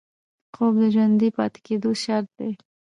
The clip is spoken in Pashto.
خوب د ژوندي پاتې کېدو شرط دی